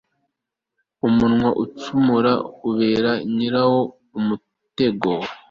umunwa ucumura ubera nyirawo umutego